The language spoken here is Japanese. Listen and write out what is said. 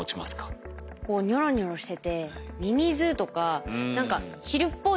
こうニョロニョロしててミミズとか何かヒルっぽいなとか。